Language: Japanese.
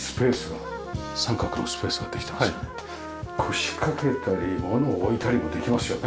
腰かけたりものを置いたりもできますよね。